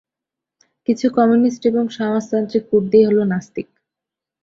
কিছু কমিউনিস্ট এবং সমাজতান্ত্রিক কুর্দি হলো নাস্তিক।